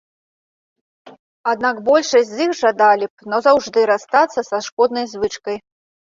Аднак большасць з іх жадалі б назаўжды расстацца са шкоднай звычкай.